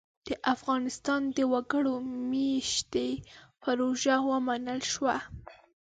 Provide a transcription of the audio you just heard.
د افغانستان د وګړ مېشتۍ پروژه ومنل شوه.